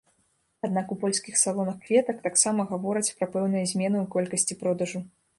Аднак у польскіх салонах кветак таксама гавораць пра пэўныя змены ў колькасці продажу.